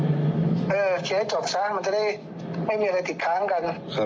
เออเคลียร์ให้จบซะไม่มีอะไรติดค้างกัน